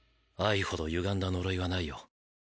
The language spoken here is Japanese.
愛ほどゆがんだ呪いはないよ。